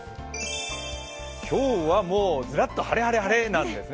今日はもう、ずらっと晴れ、晴れ、晴れなんですね。